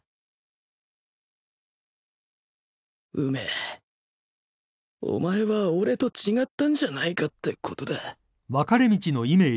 梅お前は俺と違ったんじゃないかってことだ